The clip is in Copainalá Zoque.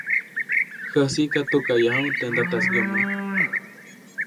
Jäsiʼka tukaʼyajuʼuŋ teʼ ndataʼis yomoʼ.